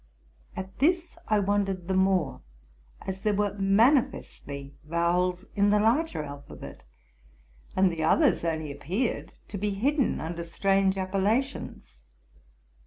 At this I wondered the more, as there were mani festly vowels in the larger alphabet; and the others only appeared to be hidden under strange appellations.